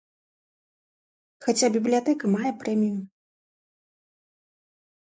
Хаця бібліятэка мае прэмію.